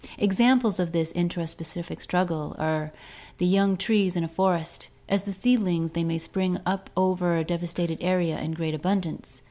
Examples of this intraspecific struggle are the young trees in a forest. As seedlings they may spring up over a devastated area in great abundance.